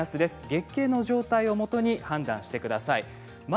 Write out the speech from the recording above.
月経の状態をもとに判断してください。